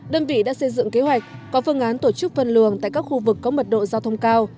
đơn vị đã xây dựng kế hoạch có phương án tổ chức phân luồng tại các khu vực có mật độ giao thông cao